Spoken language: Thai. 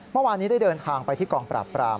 เมื่อวานนี้ได้เดินทางไปที่กองปราบปราม